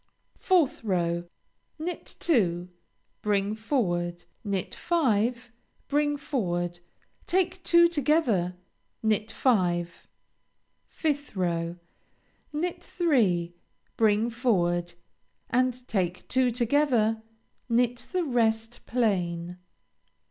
4th row Knit two, bring forward, knit five, bring forward, take two together, knit five. 5th row Knit three, bring forward, and take two together, knit the rest plain.